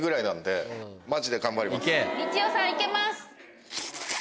みちおさん行けます。